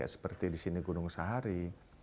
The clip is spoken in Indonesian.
seperti disini gunung sahari